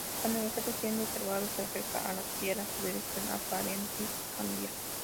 Cuando el objeto siendo observado se acerca a la Tierra, su dirección aparente cambia.